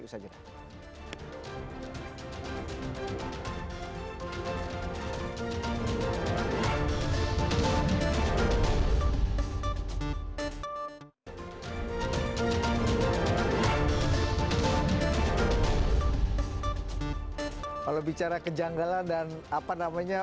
kalau bicara kejanggalan dan apa namanya